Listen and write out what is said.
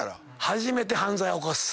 初めて犯罪を犯す。